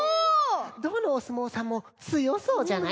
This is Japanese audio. どのおすもうさんもつよそうじゃない？